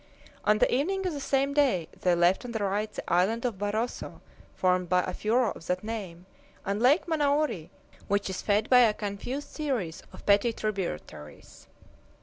On the evening of the same day they left on the right the island of Baroso, formed by a furo of that name, and Lake Manaori, which is fed by a confused series of petty tributaries.